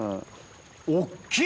大っきい！